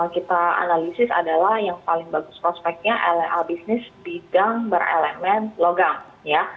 kita analisis adalah yang paling bagus prospeknya lla bisnis bidang berelemen logam ya